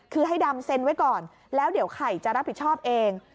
คือให้ดำเซ็นไว้ก่อนแล้วเดี๋ยวไข่จะรับผิดชอบเอง